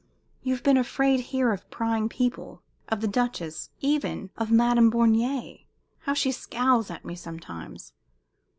You've been afraid here of prying people of the Duchess even of Madame Bornier how she scowls at me sometimes!